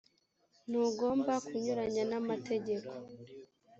ntugomba kunyuranya n’amategeko